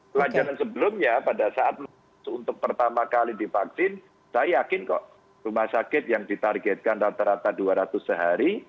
pelajaran sebelumnya pada saat untuk pertama kali divaksin saya yakin kok rumah sakit yang ditargetkan rata rata dua ratus sehari